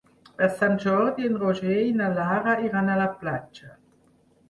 Per Sant Jordi en Roger i na Lara iran a la platja.